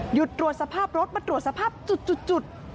ตรวจสภาพรถมาตรวจสภาพจุด